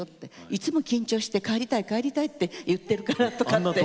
「いつも緊張して帰りたい帰りたいって言ってるから」とかって。